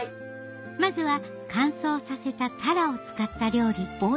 ・まずは乾燥させたたらを使った料理